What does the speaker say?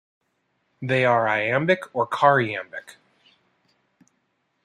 They are iambic or choriambic.